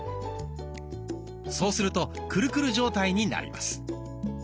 そうするとクルクル状態になります。